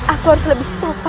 aku harus lebih sopan